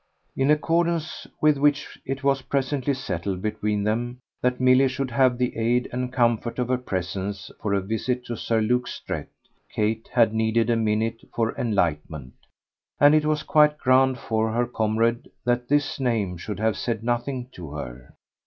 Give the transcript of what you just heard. In accordance with which it was presently settled between them that Milly should have the aid and comfort of her presence for a visit to Sir Luke Strett. Kate had needed a minute for enlightenment, and it was quite grand for her comrade that this name should have said nothing to her.